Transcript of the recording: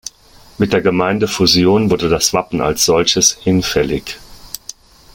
Mit der Gemeindefusion wurde das Wappen als solches hinfällig.